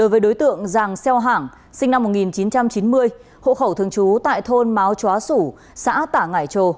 với đối tượng giàng xeo hãng sinh năm một nghìn chín trăm chín mươi hộ khẩu thường trú tại thôn máo chóa sủ xã tả ngải trồ